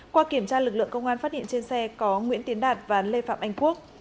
qua kiểm tra lực lượng công an phát hiện trên xe có nguyễn tiến đạt và lê phạm anh quốc